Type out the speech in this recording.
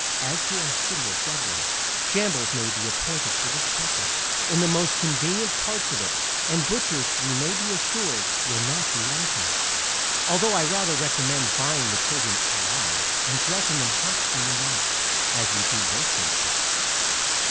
As to our City of Dublin, shambles may be appointed for this purpose, in the most convenient parts of it, and butchers we may be assured will not be wanting; although I rather recommend buying the children alive, and dressing them hot from the knife, as we do roasting pigs.